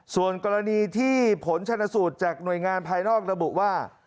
ส่วนกรณีที่ผลชนสูตรจากหน่วยงานภายนอกระบุว่า